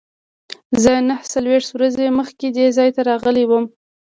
زه نهه څلوېښت ورځې مخکې دې ځای ته راغلی وم.